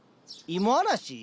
芋嵐？